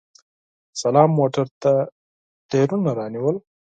سلام موټر ته ټیرونه رانیول!